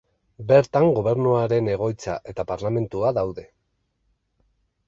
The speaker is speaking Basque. Bertan gobernuaren egoitza eta parlamentua daude.